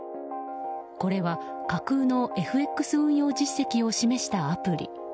これは架空のＦＸ運用実績を示したアプリ。